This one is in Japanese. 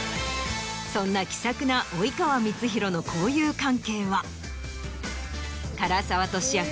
そんな気さくな及川光博の交友関係は唐沢寿明